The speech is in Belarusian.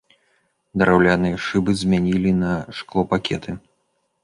Драўляныя шыбы змянілі на шклопакеты.